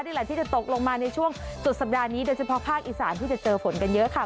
นี่แหละที่จะตกลงมาในช่วงสุดสัปดาห์นี้โดยเฉพาะภาคอีสานที่จะเจอฝนกันเยอะค่ะ